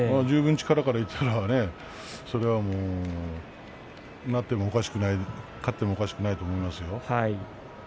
力からいったらそれはもう勝ってもおかしくないと思いますよ。